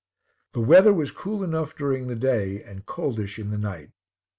The weather was cool enough during the day, and coldish in the night.